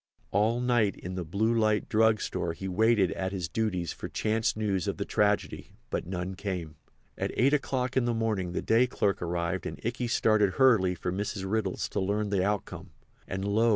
All night in the Blue Light Drug Store he waited at his duties for chance news of the tragedy, but none came. At eight o'clock in the morning the day clerk arrived and Ikey started hurriedly for Mrs. Riddle's to learn the outcome. And, lo!